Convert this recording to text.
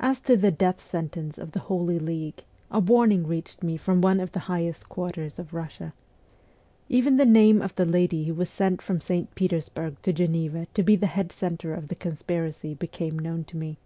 As to the death sentence of the Holy League, a warning reached me from one of the highest quarters of Russia. Even the name of the lady who was sent from St. Petersburg to Geneva to be the head centre of the conspiracy became known to me.